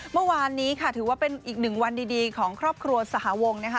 เมื่อวานนี้ค่ะถือว่าเป็นอีกหนึ่งวันดีของครอบครัวสหวงนะคะ